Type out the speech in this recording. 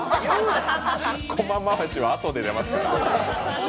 コマ回しはあとで出ますから。